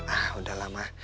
ah udah lah ma